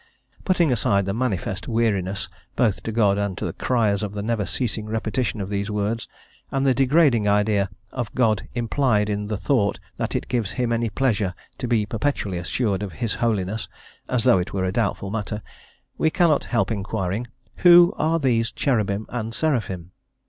Putting aside the manifest weariness both to God and to the cryers of the never ceasing repetition of these words, and the degrading idea of God implied in the thought that it gives Him any pleasure to be perpetually assured of His holiness, as though it were a doubtful matter we cannot help inquiring, "Who are these cherubin and seraphin?"